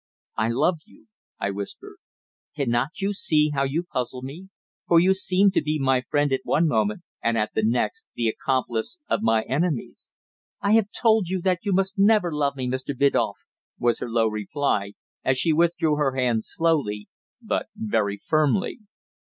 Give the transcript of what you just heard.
"I love you," I whispered. "Cannot you see how you puzzle me? for you seem to be my friend at one moment, and at the next the accomplice of my enemies." "I have told you that you must never love me, Mr. Biddulph," was her low reply, as she withdrew her hand slowly, but very firmly.